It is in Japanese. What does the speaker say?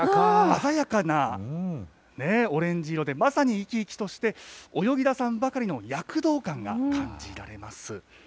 鮮やかなね、オレンジ色で、まさに生き生きとして、泳ぎださんばかりの躍動感が感じられます。